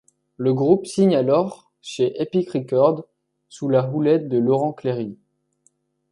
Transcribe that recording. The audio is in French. Le groupe signe alors chez Epic Records, sous la houlette de Laurent Clery.